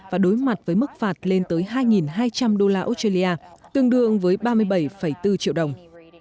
và đối mặt với mức phạt lên tới hai hai trăm linh đô la australia tương đương với ba mươi bảy bốn triệu đồng